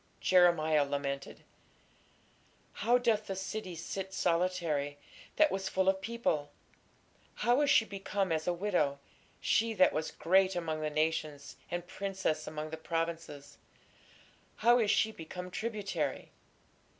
Jeremiah lamented: How doth the city sit solitary, that was full of people! how is she become as a widow! she that was great among the nations, and princess among the provinces, how is she become tributary!